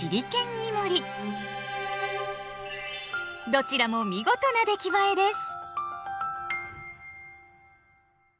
どちらも見事な出来栄えです。